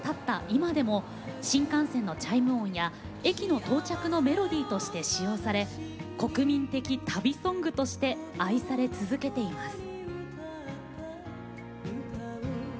今でも新幹線のチャイム音や駅の到着のメロディーとして使用され国民的「旅ソング」として愛され続けています。